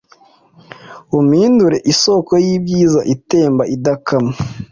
Umpindure isoko y’ibyiza itemba idakama